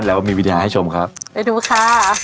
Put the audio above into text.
แล้วมีวิทยาให้ชมครับไปดูค่ะ